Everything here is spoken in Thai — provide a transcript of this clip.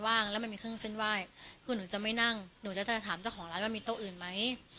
ว่างแล้วมันมีเครื่องเส้นไหว้คือหนูจะไม่นั่งหนูจะจะถามเจ้าของร้านว่ามีโต๊ะอื่นไหม